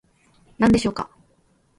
何でしょうか